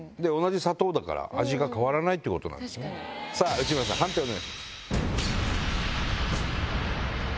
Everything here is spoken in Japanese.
内村さん判定をお願いします。